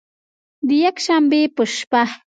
د یکشنبې په شپه